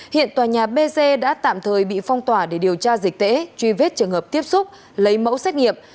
hiện tòa nhà b c đã tạm thời bị phong tỏa để điều tra dịch tễ truy vết trường hợp tiếp xúc lấy mẫu xét nghiệp